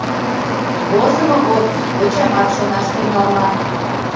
Возымо годым йочамат шонаш тӱҥалман.